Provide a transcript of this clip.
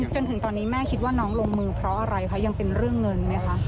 จนถึงตอนนี้แม่คิดว่าน้องลงมือเพราะอะไรคะยังเป็นเรื่องเงินไหมคะ